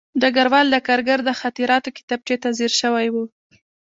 ډګروال د کارګر د خاطراتو کتابچې ته ځیر شوی و